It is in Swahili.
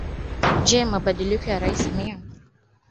Je mabadiliko ya Rais Samia yatafanikiwa bila Katiba mpya